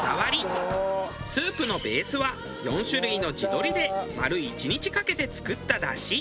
スープのベースは４種類の地鶏で丸一日かけて作ったダシ。